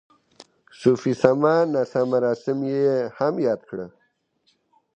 صوفي سما نڅا مراسم یې هم یاد کړي.